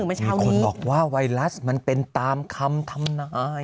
คนบอกว่าไวรัสมันเป็นตามคำทำนาย